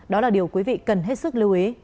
đó là điều quý vị cần hết sức